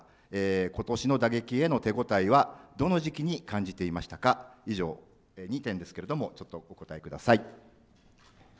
ことしの打撃への手応えはどの時期に感じていましたか、以上、２点ですけれども、ちょっとお答えください。